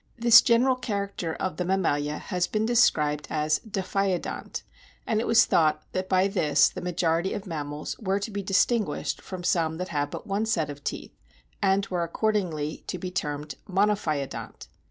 This general character of the Mammalia has been described as "Diphyodont," and it was thought that by this the majority of mammals were to be distinguished from some that have but one set of teeth, and were accordingly to be termed Monophyodont.